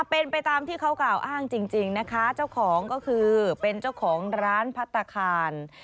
เป็นไปตามที่เขากล่าวอ้างจริงนะคะเจ้าของก็คือเป็นเจ้าของร้านพัฒนาคาร